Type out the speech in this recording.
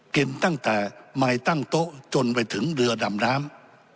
ตั้งแต่ไมค์ตั้งโต๊ะจนไปถึงเรือดำน้ำ